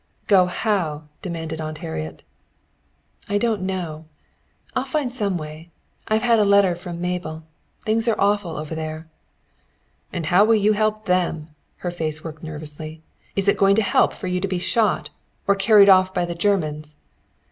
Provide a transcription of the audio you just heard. "Go how?" demanded Aunt Harriet. "I don't know. I'll find some way. I've had a letter from Mabel. Things are awful over there." "And how will you help them?" Her face worked nervously. "Is it going to help for you to be shot? Or carried off by the Germans?"